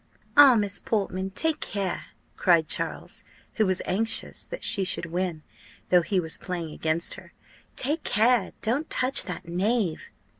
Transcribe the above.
"Ah! Miss Portman, take care!" cried Charles, who was anxious that she should win, though he was playing against her. "Take care! don't touch that knave."